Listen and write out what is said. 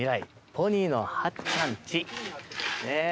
ポニーのはっちゃん家」ねえ。